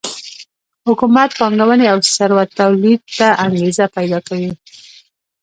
حکومت پانګونې او ثروت تولید ته انګېزه پیدا کوي